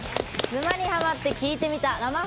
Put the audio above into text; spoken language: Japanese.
「沼にハマってきいてみた」